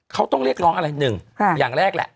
เขาต้องเรียกร้องอะไรหนึ่งอย่างแรกแหละ